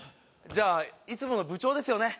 じゃあいつもの部長ですよね